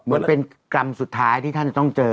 เหมือนเป็นกรรมสุดท้ายที่ท่านจะต้องเจอ